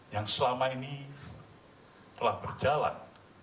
yang selama ini telah berjalan